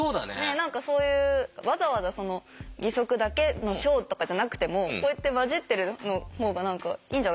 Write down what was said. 何かそういうわざわざ義足だけのショーとかじゃなくてもこうやって交じってる方が何かいいんじゃないかな。